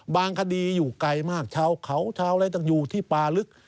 คดีอยู่ไกลมากชาวเขาชาวอะไรต่างอยู่ที่ป่าลึก